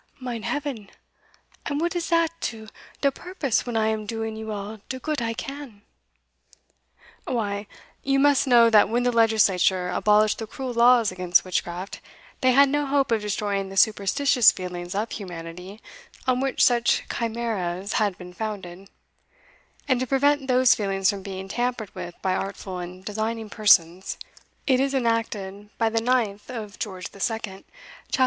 "Mine heaven! and what is dat to de purpose when I am doing you all de goot I can?" "Why, you must know that when the legislature abolished the cruel laws against witchcraft, they had no hope of destroying the superstitious feelings of humanity on which such chimeras had been founded; and to prevent those feelings from being tampered with by artful and designing persons, it is enacted by the ninth of George the Second, chap.